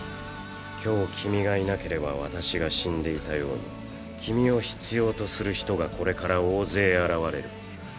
今日君がいなければ私が死んでいたように君を必要とする人がこれから大勢現れる。